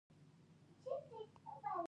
احمد له غوسې اېشي.